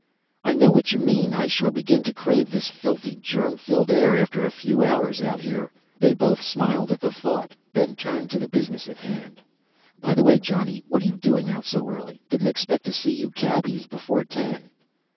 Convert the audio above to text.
"I know what you mean. I sure begin to crave this filthy, germ filled air after a few hours out there." They both smiled at the thought, then turned to the business at hand. "By the way, Johnny, what're you doing out so early? Didn't expect to see you cabbies before ten."